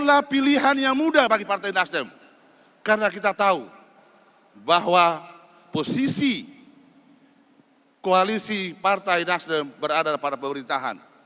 wa salamun ala al mursalin